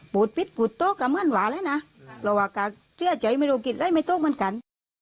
ปูดปิดปูดตกก็มันหวานแล้วนะเราว่าก็เตรียดใจไม่รู้กินแล้วไม่ตกมันกัน